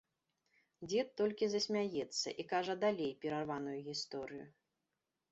Дзед толькі засмяецца і кажа далей перарваную гісторыю.